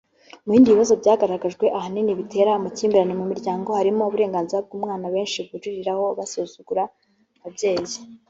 Mu bindi bibazo byagaragajwe ahanini bitera amakimbirane mu miryango harimo uburenganzira bw’umwana abenshi buririraho bagasuzugura ababyeyi